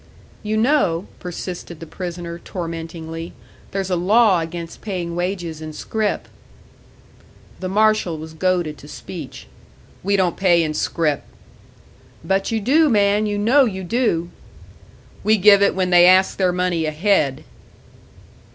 "You know," persisted the prisoner, tormentingly, "there's a law against paying wages in scrip." The marshal was goaded to speech. "We don't pay in scrip." "But you do, man! You know you do!" "We give it when they ask their money ahead."